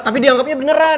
tapi dianggapnya beneran